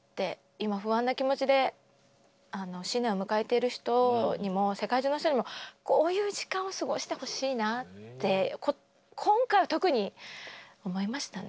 今不安な気持ちで新年を迎えている人にも世界中の人にもこういう時間を過ごしてほしいなって今回は特に思いましたね。